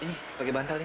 ini pake bantal ya